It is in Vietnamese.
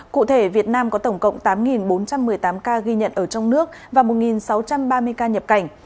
cụ thể việt nam có tổng cộng tám bốn trăm một mươi tám ca ghi nhận ở trong nước và một sáu trăm ba mươi ca nhập cảnh